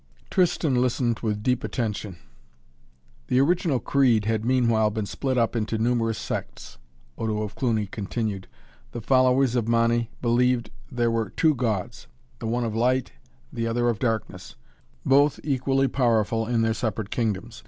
Tristan listened with deep attention. "The original creed had meanwhile been split up into numerous sects," Odo of Cluny continued. "The followers of Mani believed there were two Gods, the one of Light, the other of Darkness, both equally powerful in their separate kingdoms.